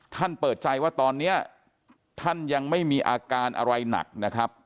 เปิดใจว่าตอนนี้ท่านยังไม่มีอาการอะไรหนักนะครับ